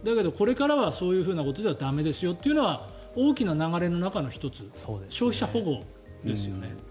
そういうふうなことでは駄目ですよというのが大きな流れの中の１つ消費者保護ですよね。